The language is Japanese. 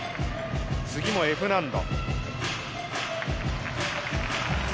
次もＦ難度。